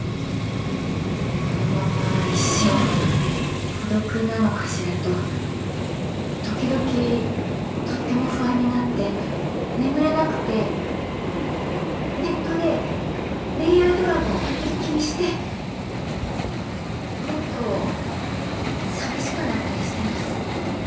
このまま一生孤独なのかしらと時々とっても不安になって眠れなくてネットで恋愛ドラマを一気見してもっと寂しくなったりしてます。